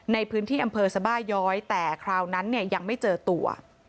ในพื้นที่อำเภอสบาย้อยแต่คราวนั้นเนี่ยยังไม่เจอตัว